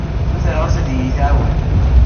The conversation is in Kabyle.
Ssutreɣ-as ad iyi-tɛawen.